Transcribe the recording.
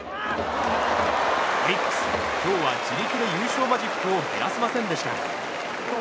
オリックス、今日は自力で優勝マジックを減らせませんでした。